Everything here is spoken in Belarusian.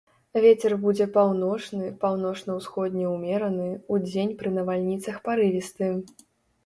Вецер будзе паўночны, паўночна-ўсходні ўмераны, удзень пры навальніцах парывісты.